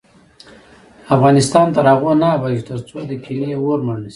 افغانستان تر هغو نه ابادیږي، ترڅو د کینې اور مړ نشي.